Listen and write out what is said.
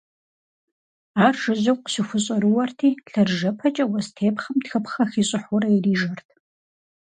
Ар жыжьэу къыщыхущӀэрыуэрти лъэрыжэпэкӀэ уэс тепхъэм тхыпхъэ хищӀыхьурэ ирижэрт.